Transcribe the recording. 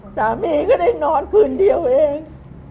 สามีก็ได้นอนคืนเดียวเอง